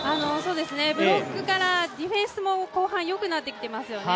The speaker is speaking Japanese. ブロックからディフェンスも後半、よくなってますよね。